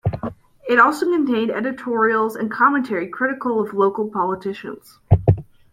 It also contained editorials and commentary critical of local politicians.